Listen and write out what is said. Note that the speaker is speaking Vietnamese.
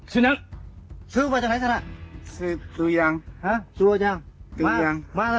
còn có một đối tượng mới